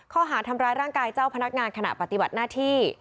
ข้อหาทำร้ายร่างกายเจ้าพนักงานขณะปฏิบัติหน้าที่